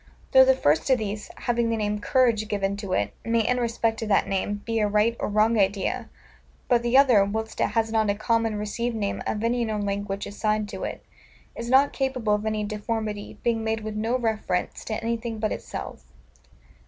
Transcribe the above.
Though the first of these, having the name COURAGE given to it, may, in respect of that name, be a right or wrong idea; but the other, whilst it has not a common received name of any known language assigned to it, is not capable of any deformity, being made with no reference to anything but itself.